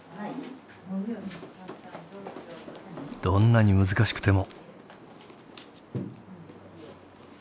どんなに難しくても。